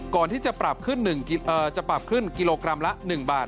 ก่อนที่จะปรับขึ้นกิโลกรัมละ๑บาท